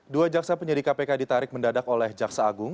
dua jaksa penyidik kpk ditarik mendadak oleh jaksa agung